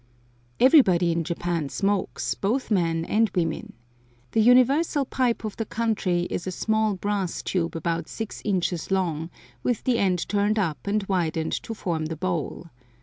Everybody in Japan smokes, both men and women. The universal pipe of the country is a small brass tube about six inches long, with the end turned up and widened to form the bowl.